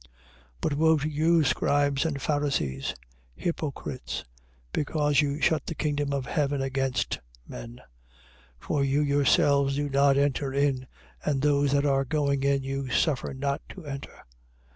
23:13. But woe to you, scribes and Pharisees, hypocrites, because you shut the kingdom of heaven against men: for you yourselves do not enter in and those that are going in, you suffer not to enter.